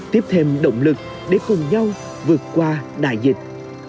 tiếp thêm động lực để cùng nhau vượt qua đại dịch